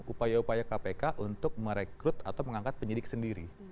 upaya upaya kpk untuk merekrut atau mengangkat penyidik sendiri